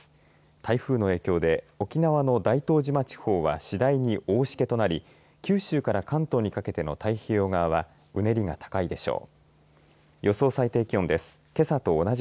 台風の影響で沖縄の大東島地方は次第に大しけとなり九州から関東にかけての太平洋側はうねりが高いでしょう。